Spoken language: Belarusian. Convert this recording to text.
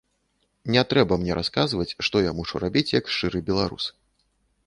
Не трэба мне расказваць, што я мушу рабіць як шчыры беларус.